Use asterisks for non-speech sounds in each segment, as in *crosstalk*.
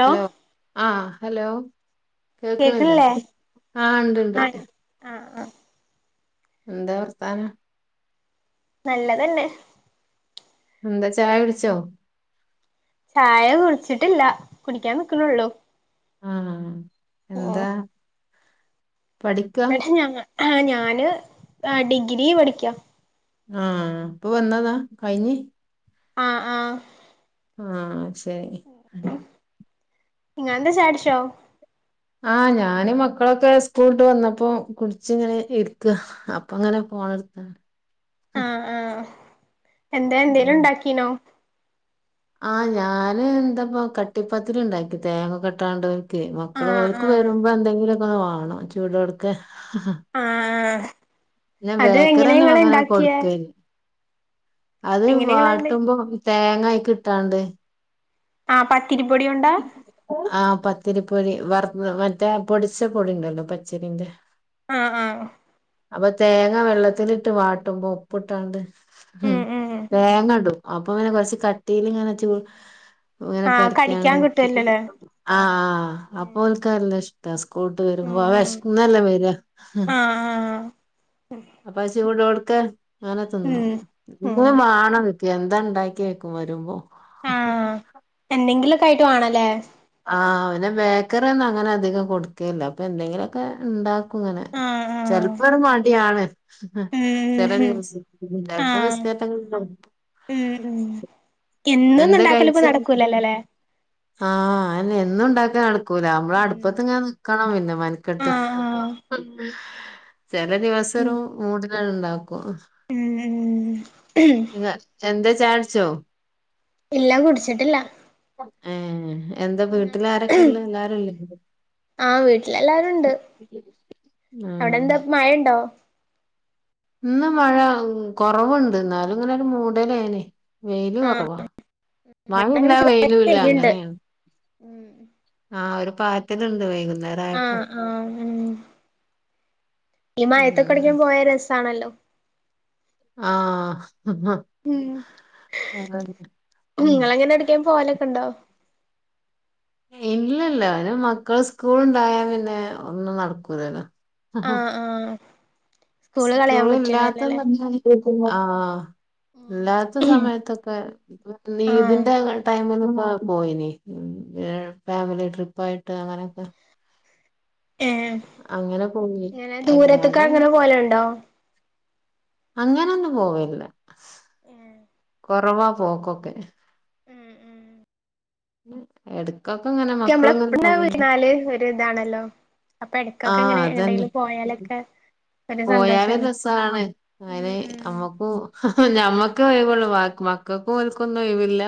Hello ആ ആ hello കേൾക്കണില്ലേ കേക്ണ്ല്ലേ ആഹ് ഇണ്ട്ണ്ട് ആ ആ ആ എന്താ വർത്താനം നല്ല തന്നെ എന്താ ചായ കുടിച്ചോ ചായ കുട്ച്ച്ട്ടില്ല കുടിക്കാൻ നിക്ണോള്ളൂ ആ ആ എന്താ പഠിക്കാ ഇവടെ ഞങ്ങ ആ ഞാന് ആ ഡിഗ്രി പഠിക്കാ ആഹ് ഇപ്പൊ വന്നതാ കഴിഞ്ഞ് ആഹ് ആഹ് ആഹ് ശ ഇങ്ങളെന്താ ചായ കുടിച്ചോ? ആഹ് ഞാനും മക്കളൊക്കെ സ്കൂള്ട്ട് വന്നപ്പോ കുടിച്ച് ഇങ്ങനെ ഇരിക്ക അപ്പങ്ങനെ ഫോണ് എടുത്ത അ ആ ആ എന്താ എന്തേലും ഉണ്ടാക്കീനോ? ആഹ് ഞാന് എന്താപ്പ കട്ടിപ്പത്തിരി ഇണ്ടാക്കി തേങ്ങക്കെ ഇട്ടാണ്ട് ആ മക്കള് ആ ഓൽക്ക് വരുമ്പോ എന്തെങ്കിലൊക്കെ വേണം ചൂടൊടുക്കെ ആ ഞാൻ അത് ബേക്കറി എങ്ങനെ ഒന്നും നിങ്ങള് അങ്ങനെ ഉണ്ടാക്കിയേ കൊടുക്കേല്ല അത് എങ്ങനെ നിങ്ങള് വാട്ടുമ്പോ- തേങ്ങായി - ട്ടാണ്ട് ആ പ- പത്തിരി പൊടിയുണ്ടോ ആഹ് പത്തിരിപ്പൊടി വറുത്തത് മറ്റേ പൊടിച്ച പൊടി ഉണ്ടല്ലോ പച്ചരിന്റെ ആഹ് ആഹ് അപ്പൊ തേങ്ങ വെള്ളത്തിട്ട് വാട്ടുമ്പോ ഉപ്പിട്ടാണ്ട്- ഉം തേങ്ങടും അപ്പൊ ഇങ്ങനെ കൊറച്ച് കട്ടിൽ ഇങ്ങനെ ചൂ ഇങ്ങനെ ആ കടിക്കാൻ പരത്തിയാണ് കിട്ടുവല്ലോല്ലേ ആഹ് ആ അപ്പൊ ഉം ഓൽക്ക് നല്ല ഇഷ്ടാ സ്കൂള് വിട്ട് വരുമ്പോ ഉം വെശന്നല്ലെ വരിക ആ ആ അപ്പാ ചൂടോടെ ക്ക *unintelligible* അങ്ങനെ ഉം തിന്നും ഉം എപ്പളും വാണം എന്താ ഉണ്ടാക്കി വക്കും വരുമ്പോ അ യിട്ട് വാണല്ലേ? ആഹ് പിന്നെ ബേക്കറി ഒന്നും അങ്ങനെ അധികം കൊടുക്കേല്ല. അപ്പൊ എന്തെങ്കിലുമൊക്കെ ഉണ്ടാ ഇങ്ങനെ ആഹ് ആഹ് ചെലപ്പോര് മടി ആണ്. ഉം ചെല ഉം ദിവസം ചെലപ്പ ആഹ് ബിസ്‌കറ്റ് ഉം ഉം എന്നൊന്നും എന്താ ഉണ്ടാക്കല് ഇപ്പോ കഴിച്ച്? നടക്കൂലല്ലോല്ലേ ആഹ് അന്നെ എന്നും ഉണ്ടാക്കാൻ നടക്കൂല നമ്മള് ഉം അടുപ്പത്ത് ഇങ്ങനെ നിക്കണം പിന്നെ മനക്കെട്ട് ആഹ് ആഹ് ചെല ദിവസോരു ഉം മൂഡ് കണ്ടാ ഉം ഉം എന്താ ചായ കുടിച്ചോ ഇല്ല കുടിച്ചിട്ടില്ല ഏഹ് എന്താ വീട്ടില് ആരൊക്കെ ഉള്ളേ എല്ലാരും ഇല്ലേ ആഹ് വീട്ടിലെല്ലാരും ഉണ്ട് അവിടെ എന്താ ആഹ് മഴയുണ്ടോ ഇന്ന് മഴ കൊറവുണ്ട് എന്നാലും ഇങ്ങനെ ഒരു മൂടലാണെ വെയില് ആഹ് കൊറവാ. മഴിം ഇവിടെ ഇല്ല അങ്ങനെ ചെറുതായിട്ട് വെയിലും ഇല്ല പെയ്യുണ്ട് അങ്ങനെയാണ്. ആഹ് ഒരു പാറ്റല്ണ്ട് വൈകു ആഹ് ആഹ് ഉം ഈ മഴത്തൊട്ക്കെ ഉം പോയാൽ രസ് താണല്ലോ ആഹ് ഉം *unintelligible* ഉം നിങ്ങളങ്ങനെ എവിടേക്കും പോവലൊക്കെ ഉണ്ടോ ഇല്ലല്ല അയ്ന് മക്കള് സ്കൂളുണ്ടായാൽ പിന്നെ ഒന്നും നടക്കൂലല്ലോ ആ ആ സ്‌കൂൾ ഇല്ലാത്തന്ന് *unintelligible* ആഹ് ഇല്ലാത്ത സമയത്തൊക്കെ ആഹ് നീതിന്റെ ടൈമിൽ പ പോയിനി ഫാമിലി ട്രിപ്പ് ആയിട്ട് അങ്ങനൊക്കെ ഏഹ് പോയി ഇങ്ങനെ ദൂരത്ത്ക്ക് അല്ലാതെ അങ്ങനെ പോകലിണ്ടോ അങ്ങനൊന്നും പോവേല്ല ഏഹ് കൊറവാ പോക്കൊക്കെ ഉം ഉം എട് ക്കമ്മള് എപ്പ്ള് വീണാല് ഒര് ഇതാണല്ലോ അപ്പൊ എടക്കൊക്കെ ആഹ് എങ്ങനെ അതന്നെ എങ്ങട്ടെങ്കിലും പോയാലൊക്കെ ഒരു പോയാല് സന്തോഷാണ് രസണ് അങ്ങനെ ഉം ഉം നമ്മക്കും ഞമ്മക്കെ ഒഴിവൊള്ളൂ മക്കൾക്കും ഓൽക്കൊന്നും ഒഴിവില്ല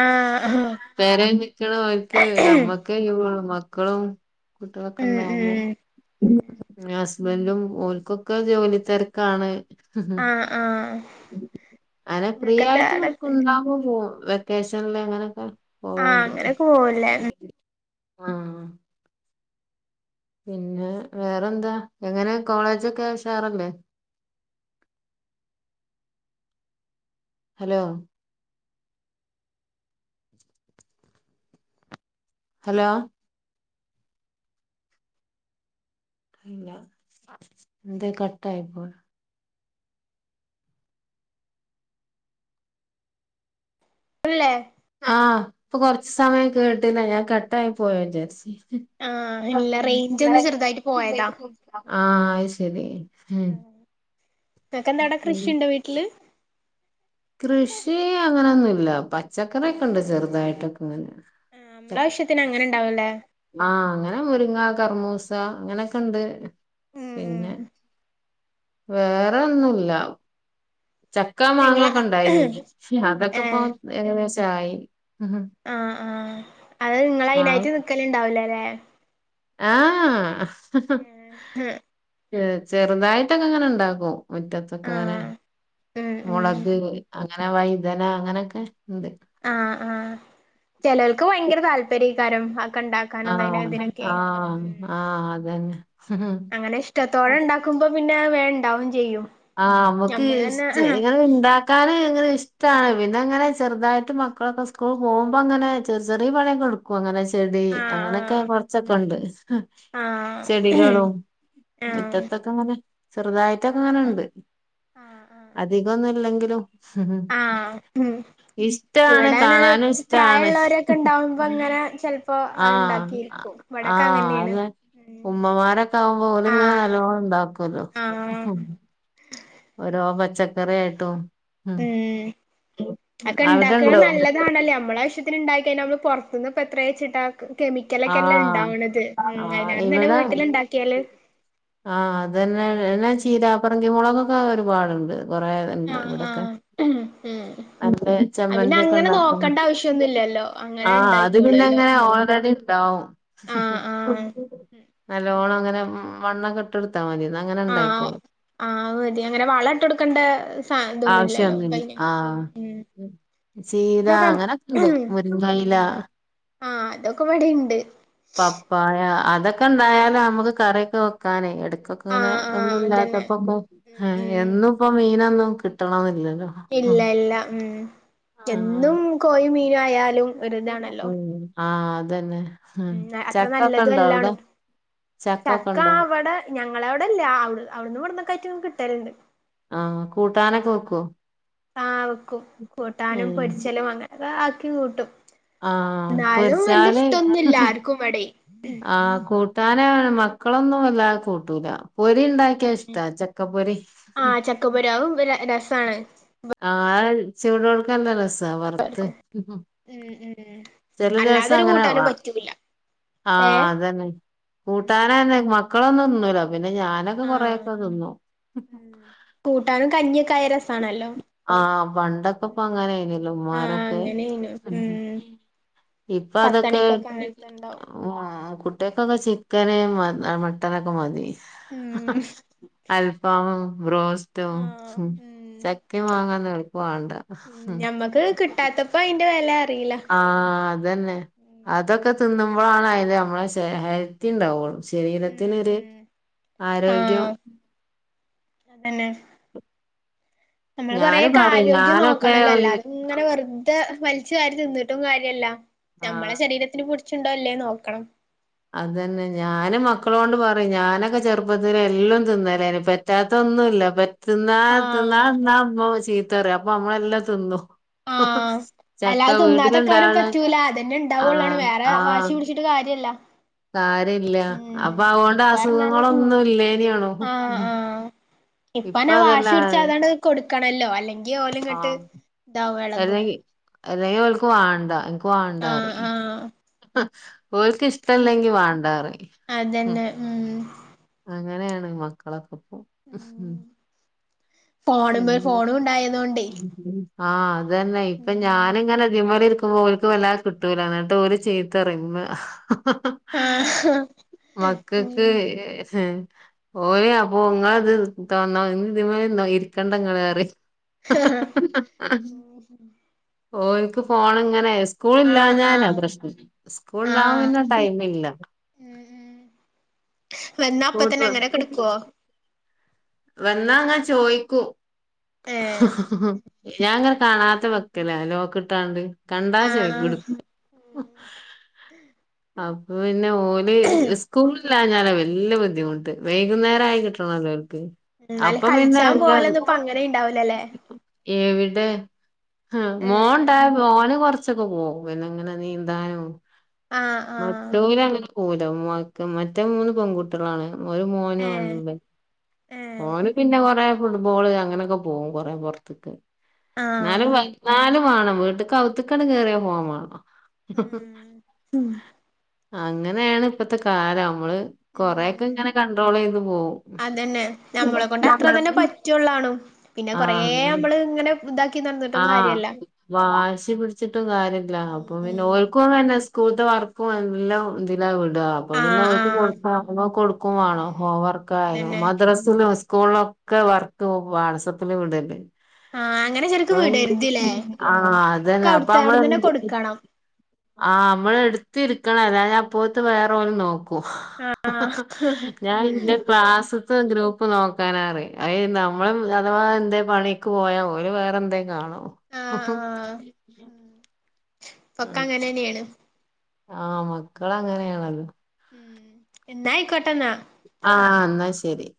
ആഹ് പേരെ നിക്ക്ണ ഓൽക്ക് അമ്മക്കേയു *unintelligible* ക്കളും കുട്ടികളൊക്കെ ഉം ഉണ്ടാവുമ്പോ ഉം *inaudible* ബൻഡും ഓൽക്കൊക്കെ ജോലി തരക്കാണ് *unintelligible* ആഹ് ആഹ് ഇങ്ങക്കെന്താ പ്രിയായിട്ട് അവടെ ണ്ടാകുമ്പോ പോകും വെക്കേഷൻല് എങ്ങനെക്കെ ആ അങ്ങനെ ക്കെ പോവല്ലേ ന്ന് ആ പിന്നെ വേറെന്താ എങ്ങനെ കോളേജൊക്കെ ഉസാറല്ലേ ഹലോ ഹലോ അല്ല എന്തേ കട്ടായി പോയോ *unintelligible* ആഇപ്പൊ കൊറച്ച് സമയം കേട്ടില്ല ഞാൻ കട്ടായി പോയോ ജാർച്ചി ആ ഇല്ല റേഞ്ച് ഒന്ന് ചെറുതായിട്ട് പോയതാ ആ ആയി ശരി ഉം ആ നിനക്ക് എന്താ ടെ കൃഷിയുണ്ടോ വീട്ടില് കൃഷി അങ്ങനെയൊന്നും ല്ല പച്ചക്കറിയൊക്കെ ഉണ്ട് ചെറുതായിട്ടൊക്കെങ്ങനെ ആഹ് നമ്മളെ ആവശ്യത്തിന് അങ്ങനെ ഇണ്ടാവുല്ലേ ആ അങ്ങനെ മുരിങ്ങ കർമ്മൂ സ അങ്ങനെയൊക്കെ ഉണ്ട് ഉം പിന്നെ ഉം വേറെ ഒന്നുംല്ല ചക്കാ നിങ്ങള മാങ്ങൊക്കെ ഇണ്ടായിന ഏ അതൊക്കെപ്പം ഏകദേശ ചായി ഹ ഹ ആ ആ അത് നിങ്ങൾ അതിനായിട്ട് നിൽക്കല്ണ്ടാവൂലാലേ ആ *unintelligible* *unintelligible* ചെറുതായിട്ടൊക്കെ അങ്ങനെ ഉണ്ടാക്കും ആ മുറ്റത്തൊക്കെങ്ങനെ ഉം ഉം മുളക് ങ്ങനെ വൈദന അങ്ങനെക്കെ ആ ആ ചെലോൽക്ക് ഭയങ്കര താല്പര്യ രം ഹ ആആആ അതന്നെ അങ്ങനെ ഇഷ്ടത്തോടെ ഉണ്ടാക്കുമ്പോ പിന്നെ വേണ്ട- ഡൗൺ ചെയ്യൂ ആ നമ്മുക്ക് ഇങ്ങെനെ ഇണ്ടാക്കാന് ഭയങ്കര ഇഷ്ടമാണ് പിന്നെ അങ്ങനെ ചെറുതായിട്ട് മക്കളൊക്കെ സ്കൂൾ പോകുമ്പോ അങ്ങനെ ചെറിയ പണിയൊക്കെടുക്കും അങ്ങനെ ചെടി ആ അങ്ങനെയൊക്കെ കൊറച്ചൊക്കെ ഉണ്ട്. ആ ആ ചെടികളും ആ മുറ്റത്തൊക്കെ അങ്ങനെ ആ ചെറുതായിട്ടൊക്കെ അങ്ങനെണ്ട്. ആ ആ അധികൊന്നുംല്ലെങ്കിൽ! ഉ ആ ഉം ഇഷ്ടാണ് ഇവിടെങ്ങനെ കാണാനും ഇഷ്ടാണ്! പ്രായള്ളോരൊക്കെ ഇണ്ടാവുമ്പോ ഇങ്ങനെ ചെലപ്പോ അത് ആഹ! ഇണ്ടാക്കിയിരിക്കും ഇവിടൊക്കെ ആഹ!.. അങ്ങനെയാണ് അല്ല ഉം ഉമ്മമാരൊക്കെ ആകുമ്പോ പോലും ഇങ്ങനെ ആഹ് നല്ലോണം ഉണ്ടാക്കല്ലോ. ആഹ് ഓരോ പച്ചക്കറ ആയിട്ടും ഉം ഒക്കെ ഇണ്ടാക്കണ അവിടെണ്ടോ നല്ലതാണല്ലേ! നമ്മള ആവശ്യത്തി- ക്കിക്കഴിഞ്ഞു നമ്മള് പുറത്തുന്ന്പ്പൊ എത്രയച്ചിട്ടാ ആഹ ആ അയിനാറും നല്ലത് ഇവിടെ ആഹ! വീട്ടിലിണ്ടാക്കിയാല് അത് തന്നെ എന്നെ ഉം ചീരാപ്പറങ്കി മുളക്കെ ക്ക ഒരുപാടുണ്ട്. കൊറെണ്ട് ആഹ് ഇവിടെക്കെ ആഹ് ഉം ഉം അ അത് പിന്നെ ചമ്മന്തിക്കെ അങ്ങനെ ഉണ്ടാക്ക നോക്കണ്ട ആവശ്യൊന്നുല്ലല്ലോ അങ്ങനെ ആ അത് ഇണ്ടായിക്കോളല്ലോ പിന്നെങ്ങനെ ഉം ഓര ണ്ടാവും ആഹ് ആഹ് നല്ലോണം െടു *unintelligible* ആഹ ആ മതി അങ്ങനെ വള ഇട്ട് കൊടുക്കണ്ട ആവശ്യൊന്നുമില്ല ആ ചീത എന്താ റം അങ്ങനൊക്കെണ്ട് ഉം മുരിങ്കയില ആഹ് അതൊക്കെ ഇവിടെണ്ട് പപ്പായ അതൊക്കെ ഉം ഉണ്ടായാല ഉം നമുക്ക് കറിക്കെ നോക്കാനെ എടു- ങ്ങനെ ആഹ് ആഹ് ഒന്നുംല്ലാത്ത അതന്നെ ഉം ഉം എന്നും ഇപ്പ മീനന്നും കിട്ടണമെന്നില്ല. ഇല്ല ഇല്ല ഉം ആഹ് എന്നും കോയി മീ- ആയാലും ഉം! ആഹ അതന്നെ. ഉം ഉ അത്ര ചക്കൊക്കെ നല്ലത ഉണ്ടോ വല്ലാണ് അവിടെ ചക്കൊക്കെ ചക്ക ഉണ്ടോ അവിടെ ഞങ്ങള അവിടെല്ലേ അ അവിടുന്ന് ഇവിടന്നൊക്ക ആയിട്ട് കിട്ടലുണ്ട് ആഹ് കൂട്ടാനൊക്കെ വെക്കുവോ ആ... കൂട്ടാനും പൊരിച്ചലും അങ്ങനെ- ബാക്കി കൂട്ടും ആഹ എന്നാലും വല്യ പൊരിച്ചാല് ഇഷ്ടൊന്നുല്ല ആർക്കും ഇവിടെ ആഹ കൂട്ടാനണ- മക്കളൊന്നും വ ല്ലാതെ കൂട്ടൂല. പൊരി ഉണ്ടാക്കിയാ ഉം ഉം ഇഷ്ടാ ചക്ക പൊരി. ആഹ് ചക്കപ്പുരാവും രസാണ് ആ *unintelligible* *inaudible* വർത്ത് എല്ലാർക്കും ഉം ഉം ചെലെ ദിവസം അല്ലാതൊരു അങ്ങനെ കൂട്ടാനും പറ്റൂല ആഹ് ഏഹ് അതന്നെ കൂട്ടാന ന്നെ മ ക്കളൊന്നും ന്ന്ല്ല പിന്നെ ഞാനൊക്കെ ആഹ് കൊറെക്കെ തിന്നു. ഉം കൂട്ടാനും കഞ്ഞിയൊക്കെ ആയ രസാണല്ലോ ആഹ് പണ്ടൊക്കെ ഇപ്പ ഉം അങ്ങനെയിന്യല്ലോ ആഹ് ഉമ്മാരൊക്കെ അങ്ങനെയ്നു ഉം ഇപ്പ അതൊക്കെ പത്തണിക്കൊക്കെ അങ്ങനത്തെണ്ടാവും ആഹ് കുട്ടിയക്കൊക്കെ ചിക്കന് അ മട്ടനൊക്കെ മതി ഉം അല്പ്പം ബ്രോസ്റ്റും ആഹ് ഉം ക്കെ വാങ്ങാൻ എളപ്പ വണ്ട ഉം ഞമ്മക്ക് കിട്ടാത്തപ്പോ അയിന്റെ വെല അറിയില്ല ആ ഹ് അതന്നെ ഉം അതൊക്കെ തിന്നു ന്നുമ്പളാണ് അതിന്റെ നമ്മളെ ശ ഹെൽത്തി ഇണ്ടാവള്ളൂ ഉം ശരീരത്തിനൊരു ഉം ആരോഗ്യം തന്നെ നമ്മള് ഞാന് കൊറെേയൊക്കെ പറയും ആരോഗ്യം ഞാനൊക്കെ നോക്കണല്ലോ അല്ലാതങ്ങനെ വെറുതെ വലിച്ചു വാരി തിന്ന് ട്ടും കാര്യല്ല നമ്മളെ ആഹ് ശരീരത്തിന് കുട് ച്ച്ണ്ടോ ല്ലേ നോക്കണം അതന്നെ ഞാന് മക്കളോണ്ട് പറിം ഞൻ നൊക്കെ ചെറുപ്പത്തിന് എല്ലാം തിന്നലന് പറ്റാത്തൊന്നുംല്ല പ തിന്ന ആഹ് തിന്നാതമ്മ ചിത് തറി അപ്പൊ നമ്മളെല്ലാം തിന്നും ആഹ് ചക്ക അല്ലാതെ തിന്നാതെക്കാനും വീട്ടിലുണ്ടാവണ പറ്റൂല അതന്നെ ഉണ്ടാവുള്ളാണ് ആഹ് വേറെ വാശി ആഹ് പിടിച്ചിട്ട് കാര്യല്ല കാര്യല്ല ഉം അപ്പൊ അവോണ്ട് ഇപ്പ പറഞ്ഞാല് ഉം അസുഖങ്ങളൊന്നുംല്ലേനാണും ഇപ്പ ഞാൻ വാശി പിടിച്ച അതാണ്ട് കൊ ക്കണല്ലോ അല്ലെ ങ്കി ഓല് ങ്ങട്ട് ആഹ് താ അല്ലെങ്കി അല്ലെങ്കി ക്ക് വാണ്ട ആഹ് പോവണ്ടാറി ആഹ് ഓൾക്ക് ഇഷ്ടമല്ലെങ്കിൽ വേണ്ടായെന്നു പറയും. ഉം.. അങ്ങനെയാണ് മക്കളെ ഉം ഫോണുമ ഫോണും ഉണ്ടായതൊണ്ടേ ആ.... അതു തന്നെ ഇപ്പൊ ഞാന് ഇങ്ങനെയ്തുമേൽ ഇരിക്ക് ഓക്ക് വല്ലാത കിട്ടൂല എന്നിട്ട് ഓര് ചീത്ത പറയുമ്പോ ആഹ് മക്കക്ക് ഓയ അപ്പൊ ഉങ്ങത് തന്ന ഇ *unintelligible* കണ്ടങ്ങറി ഹാ ഹാ ഹാ ഹ ഒക്കുക്ക് ഫോൺ ഇങ്ങനെ ആഹ് സ്കൂളിലാഞ്ഞാൽ ആഹ് പ്രശ്നം. സ്കൂളണ്ടാകൻ ആഹ് പിന്നെ ടൈമില്ല വന്നാ അപ്പോ കൂട്ട് തന്നെ അങ്ങനെ കിടുക്കുവോ വന്നാങ്ങാ ചോദിക്കും ഏഹ് ഞാനാങ്ങനെ കാണാതെവാക്കും ലോക്ക് ഇട്ടാണ്ട് കണ്ടാ ആഹ് ചോദിക്കും ആഹ് എടുക്കും ഉം ആ പിന്നെ ഓള് സ്കൂള് ഇല്ലാഞ്ഞല്ലാ വലിയ ബുദ്ധിമുട്ട് ഉം വൈകുന്നേരം ആയി കിട്ടണല്ലോ അവർക്ക് ഉം അന്നാലും കളിച്ചാൻ പോലന്നും ഇപ്പോ അങ്ങനെ ഉണ്ടാവിലല്ലേ എവിടെ? ആ മോന്നുണ്ട ഏഹ് മോന് കൊറച്ച് കുറച്ചുച്ചൊക്കെ പോ പിന്നെ എങ്ങനെ നീന്താനും ആഹ് ആഹ് മറ്റൊരു അങ്ങനെ പോകില്ല മറ്റേ മൂന്ന് പെൺകുട്ടികളാണ് ഒരു ഏഹ് മോനുമാണല്ലേ ഏഹ് ഓന് പിന്നെ കൊറ ഫുട്ബോള് അങ്ങനെയൊക്കെ പോകും കുറെയൊക്കെ പുറത്തക്ക്. ആഹ് എന്നാലും നാലു വേണ വീട്ട്ക്ക് അവുത്ത്ക്കണ്ട് കേറിയ ഫോൺ വാണം ഉം ഉം അങ്ങനെയാണ് ഇപ്പത്തെ കാലം നമ്മള് കൊറെയൊക്കെ ഉം ഇങ്ങനെ കണ്ട്രോള് ചെയ്ത് പോവും അതന്നെ നമ്മളെ കൊണ്ട് അത്ര തന്നെ *unintelligible* പറ്റുള്ളാണും പിന്നെ ആ കൊറേ നമ്മള് ഇങ്ങനെ ഇതാക്കി ആ നടന്നിട്ടും കാര്യല്ല ഉം വാശി പിടിച്ചിട്ടും കാര്യല്ല. അപ്പൊ പിന്നെ ഉം ഓൽക്കുങ്ങന്നെ കൂത്ത വർക്കും എല്ലാം ഇതില വ ആഅപ്പൊ പിന്നെ ആഹ് ആഹ് *unintelligible* കൊടുക്കും വേണം ഉം ഹോം വർക്ക് ആയാലോ അതന്നെ മദ്ര സ്കൂളിലൊക്കെ വർക്ക് വാട്സപ്പിൽ വിണ്ടേണ്ട്. ആഹ് അങ്ങനെ ശരിക്ക് വിടരുതില്ലേ *unintelligible* ആ ഒക്കെ അതന്നെ അപ്പം അവിടുത്തെ നമ്മള് അവിടന്ന് എന്ത് തന്നെ ചെ കൊടുക്കണം ആ നമ്മള് എടുത്തിരിക്കണ അല്ല ഞാൻ അപ്പോത്ത് വേറെ ഒന്ന് നോക് ആഹ് ആഹ് ഞൻ എൻ്റെ ക്ലാസ് ഇപ്പംഗ്രൂപ്പ് നോക്കാനാറിയാം ഏ നമ്മള് അഥവാ എന്തേ പണിക്ക് പോയാ ഒരു പന്തേ കാണോ ഉം ഉം ഇപ്പക്ക അങ്ങനെ തന്നെയാണ്. ആ മക്കള് അങ്ങനെയാണല്ലോ. ഉം എന്നാ നായി കോട്ടെ എന്ന. ആഹ് എന്നാ ശരി